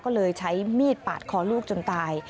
ก็เลยใช้มีดปาดคอลูกจนตาย